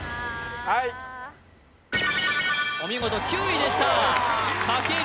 はいお見事９位でした×